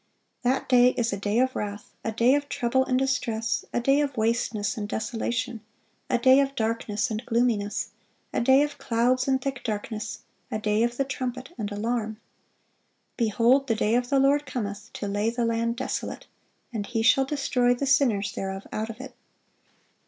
(500) "That day is a day of wrath, a day of trouble and distress, a day of wasteness and desolation, a day of darkness and gloominess, a day of clouds and thick darkness, a day of the trumpet and alarm."(501) "Behold, the day of the Lord cometh, ... to lay the land desolate: and He shall destroy the sinners thereof out of it."